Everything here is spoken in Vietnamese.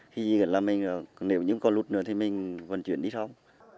khi là mình nếu những con lụt nữa thì mình còn chuyển đi sau